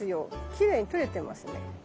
きれいに撮れてますね。